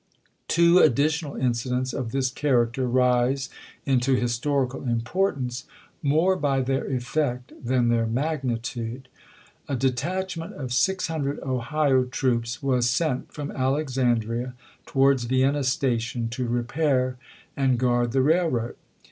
Two additional incidents of this character rise THE ADVANCE 319 June 17, 1861. into historical importance more by theii effect CH.xvm. than their magnitude. A detachment of six hundred Ohio troops was sent from Alexandria towards Vienna station to repair and guard the railroad.